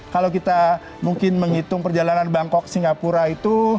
kalau kita mungkin menghitung perjalanan bangkok singapura itu